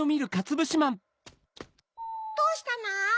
どうしたの？